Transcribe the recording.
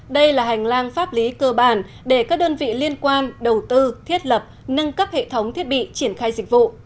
đây là hành lang pháp lý cơ bản để các đơn vị liên quan đầu tư thiết lập nâng cấp hệ thống thiết bị triển khai dịch vụ